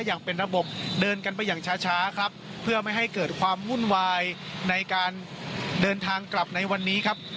อย่างเป็นระบบเดินกันไปอย่างช้าครับเพื่อไม่ให้เกิดความวุ่นวายในการเดินทางกลับในวันนี้ครับ